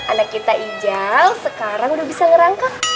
anak kita ijam sekarang udah bisa ngerangkak